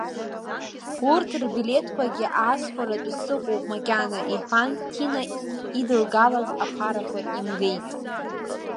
Урҭ рблеҭқәагьы аасхәартәы сыҟоуп макьана, — иҳәан Ҭина идылгалаз аԥарақәа имгеит.